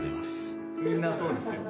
みんなそうですよ。